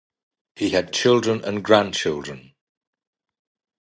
He had children and grandchildren.